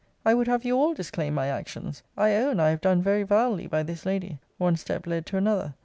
I would have you all disclaim my actions. I own I have done very vilely by this lady. One step led to another.